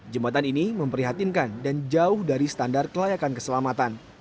jembatan ini memprihatinkan dan jauh dari standar kelayakan keselamatan